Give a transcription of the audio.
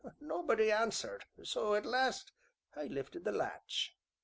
nobody answered, so, at last, I lifted the latch."